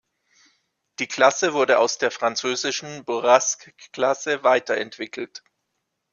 Die Klasse wurde aus der französischen "Bourrasque"-Klasse weiterentwickelt.